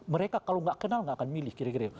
mereka kalau tidak kenal tidak akan milih kira kira